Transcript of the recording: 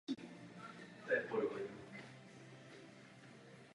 V podkroví domu byl původně umístěn pouze sklad obrazů.